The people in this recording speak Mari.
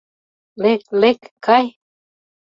Лек, лек, кай!